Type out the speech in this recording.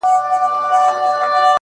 ماجبیني د مهدي حسن آهنګ یم~